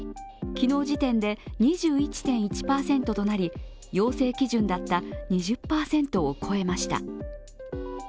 昨日時点で２１．１％となり要請基準だった２０％を超えました。